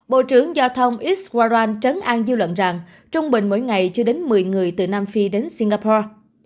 bộ trưởng giao thông iswaran trấn an dư luận rằng trung bình mỗi ngày chưa đến một mươi người từ nam phi đến singapore